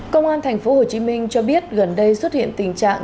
công an tp hồ chí minh cho biết gần đây xuất hiện tình trạng